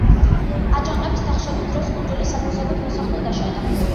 აჯანყების დახშობის დროს კუნძულის ათასობით მოსახლე დაშავდა.